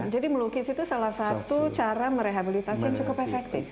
jadi melukis itu salah satu cara merehabilitasi yang cukup efektif